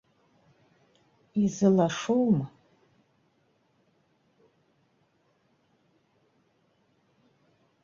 Изылашоума?